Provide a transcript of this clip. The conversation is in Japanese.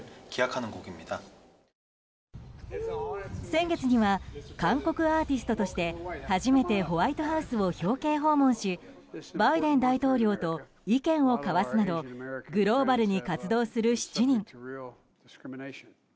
先月には韓国アーティストとして初めてホワイトハウスを表敬訪問しバイデン大統領と意見を交わすなどグローバルに活動する７人。